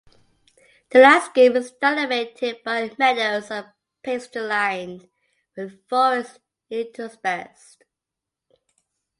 The landscape is dominated by meadows and pastureland, with forest interspersed.